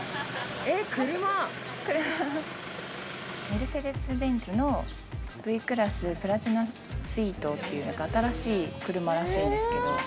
メルセデス・ベンツのＶクラスプラチナスイートっていう新しい車らしいんですけど。